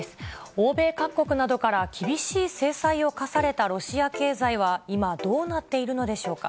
欧米各国などから厳しい制裁を科されたロシア経済は今、どうなっているのでしょうか。